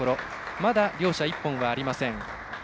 まだ両者、１本はありません。